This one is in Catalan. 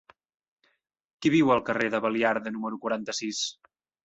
Qui viu al carrer de Baliarda número quaranta-sis?